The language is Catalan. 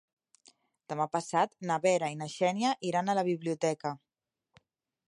Demà passat na Vera i na Xènia iran a la biblioteca.